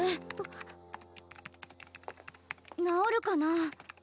直るかな？